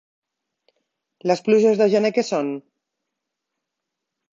Les pluges de gener què són?